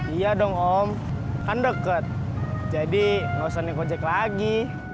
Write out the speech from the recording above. iya dong om kan deket jadi gak usah dikojek lagi